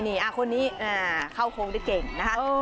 นี่คนนี้เข้าโค้งได้เก่งนะคะ